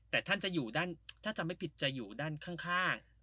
แต่ท่านจะอยู่ด้านถ้าจำไม่ผิดจะอยู่ด้านข้าง